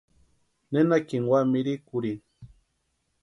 Nenakini úa mirikurhini.